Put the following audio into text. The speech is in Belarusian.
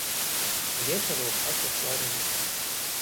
Увечары ў хаце сварыліся.